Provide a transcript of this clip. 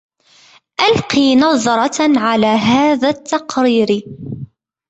ألقي نظرةً على هذا التقرير.